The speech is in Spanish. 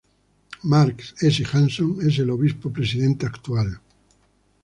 Mark S. Hanson es el obispo presidente actual.